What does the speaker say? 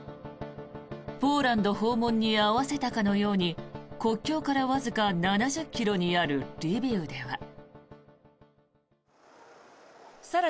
ポーランド訪問に合わせたかのように国境からわずか７０ｋｍにあるリビウでは。